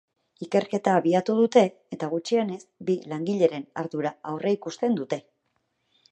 Ikerketa abiatu dute eta gutxienez bi langileren ardura aurreikusten dute.